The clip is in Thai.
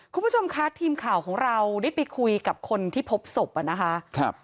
คุณผู้ชมคะทีมข่าวของเราได้ไปคุยกับคนที่พบศพอ่ะนะคะ